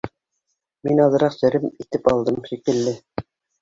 Мин аҙьграҡ серем итеп алдым, шикелле